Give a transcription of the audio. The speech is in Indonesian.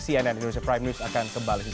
cnn indonesia prime news akan kembali